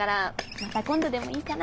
また今度でもいいかな？